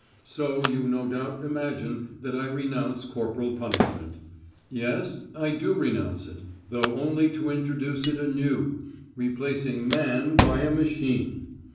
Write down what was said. So you no doubt imagine that I renounce corporal punishment. Yes, I do renounce it, though only to introduce it anew, replacing man by a machine.